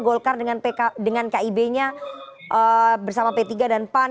golkar dengan kib nya bersama p tiga dan pan